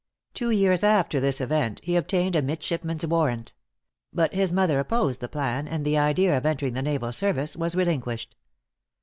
Two years after this event, he obtained a midshipman's warrant; but his mother opposed the plan, and the idea of entering the naval service was relinquished.